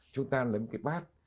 chúng ta lấy một cái bát